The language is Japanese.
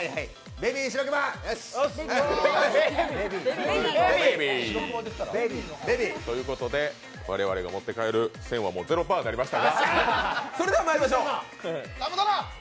ベビー。ということで我々が持って帰る線はゼロ％になりました。